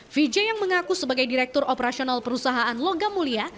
vijay yang mengaku sebagai direktur operasional perusahaan logam mulia